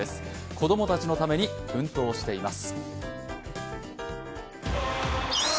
子どもたちのために奮闘しています。